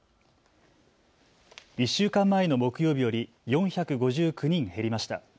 １週間前の木曜日より４５９人減りました。